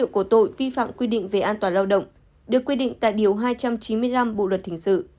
có dấu hiệu của tội vi phạm quy định về an toàn lao động được quy định tại điều hai trăm chín mươi năm bộ luật thỉnh sự